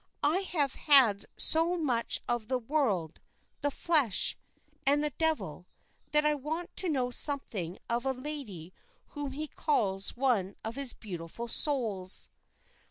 I have had so much of the world, the flesh, and the devil, that I want to know something of a lady whom he calls one of his beautiful souls."